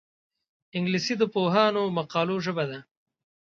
انګلیسي د پوهانو مقالو ژبه ده